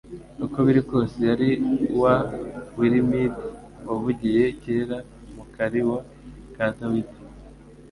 Uko biri kose yari wa wLmdi wavugiye kera mu kariwa ka Dawidi